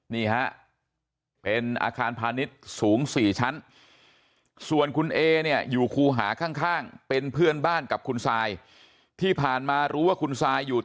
นี่ฮะเป็นอาคารพาณิชย์สูงสี่ชั้นส่วนคุณเอเนี้ยอยู่คู่หาข้างข้างเป็นเพื่อนบ้านกับคุณทราย